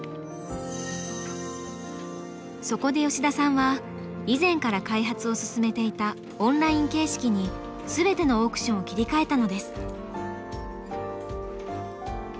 そこで吉田さんは以前から開発を進めていたオンライン形式に全てのオークションを切り替えたのです。